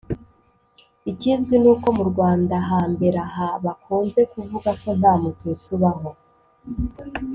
ikizwi ni uko mu rwandahambere aha bakunze kuvuga ko nta mututsi ubaho